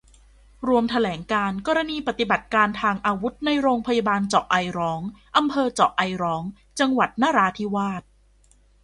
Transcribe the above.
รวมแถลงการณ์ กรณีปฏิบัติการทางอาวุธในโรงพยาบาลเจาะไอร้อง อำเภอเจาะไอร้อง จังหวัดนราธิวาส